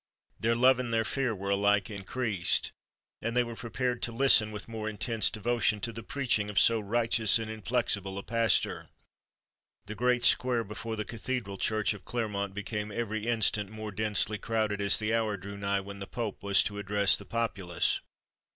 Their love and their fear were alike increased, and they were prepared to listen with more intense devotion to the preaching of so righteous and inflexible a pastor. The great square before the cathedral church of Clermont became every instant more densely crowded as the hour drew nigh when the Pope was to address the populace.